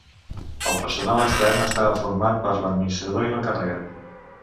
El personal extern estava format per l'administrador i l'encarregat.